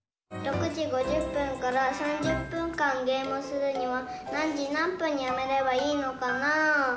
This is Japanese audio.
６時５０分から３０分間ゲームするには何時何分にやめればいいのかなぁ？